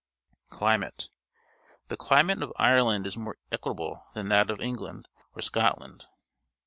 Climate. — The climate of Ireland is more equable than that of England or Scotland.